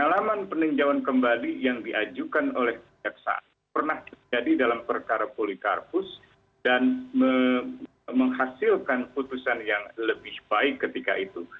alaman peninjauan kembali yang diajukan oleh kejaksaan pernah terjadi dalam perkara polikarpus dan menghasilkan putusan yang lebih baik ketika itu